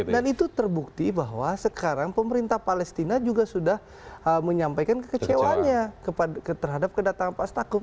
dan itu terbukti bahwa sekarang pemerintah palestina juga sudah menyampaikan kekecewaannya terhadap kedatangan pak stakhov